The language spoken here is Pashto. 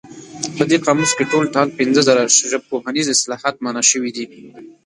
په دې قاموس کې ټول ټال پنځه زره ژبپوهنیز اصطلاحات مانا شوي دي.